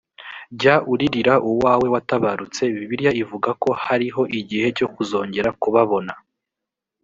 jya uririra uwawe watabarutse, bibiliya ivuga ko hariho igihe cyo kuzongera kubabona.